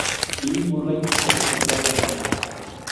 Bill Murray representó a Thompson.